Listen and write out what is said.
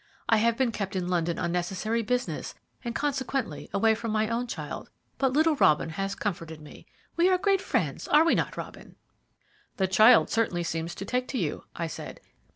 I have been kept in London on necessary business, and consequently away from my own child; but little Robin has comforted me. We are great friends, are we not, Robin?" "The child certainly seems to take to you," I said.